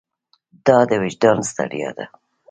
دا د وجدان ستړیا ده.